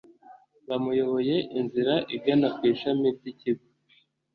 bamuyoboye inzira igana ku ishami ry’ikigo